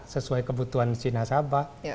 sesuai kebutuhan si nasabah